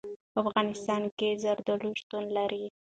په افغانستان کې زردالو شتون لري.